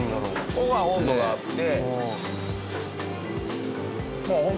ここは温度があって。